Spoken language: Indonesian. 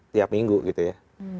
tiap minggu gitu ya